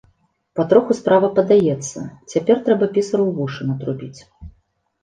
Патроху справа падаецца, цяпер трэба пісару ў вушы натрубіць.